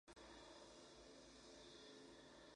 Su influencia ha sido criticada.